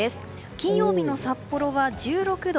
金曜日の札幌は１６度。